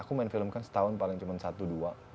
aku main film kan setahun paling cuma satu dua